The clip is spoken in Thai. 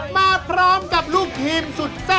มาพร้อมกับลูกทีมสุดแซ่บ